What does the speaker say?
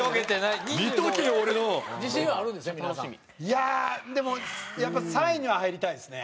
いやあでもやっぱ３位には入りたいですね。